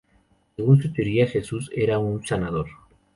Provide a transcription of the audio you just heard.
Según su teoría, Jesús era un sanador.